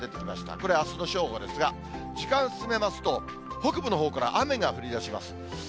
これ、あすの正午ですが、時間進めますと、北部のほうから雨が降りだします。